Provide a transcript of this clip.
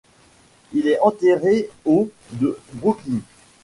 Il est enterré au de Brooklyn.